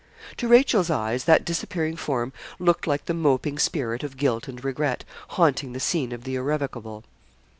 To Rachel's eyes, that disappearing form looked like the moping spirit of guilt and regret, haunting the scene of the irrevocable.